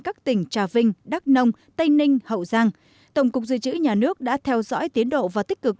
các tỉnh trà vinh đắk nông tây ninh hậu giang tổng cục dự trữ nhà nước đã theo dõi tiến độ và tích cực